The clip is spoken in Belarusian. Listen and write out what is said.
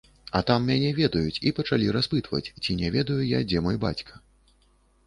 А там мяне ведаюць і пачалі распытваць, ці не ведаю я, дзе мой бацька.